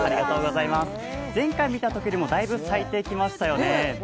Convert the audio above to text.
前回見たときよりもだいぶ割いてきましたよね。